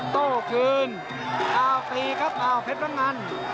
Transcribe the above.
โต้คืนเอาตีครับเอาเพศนิยม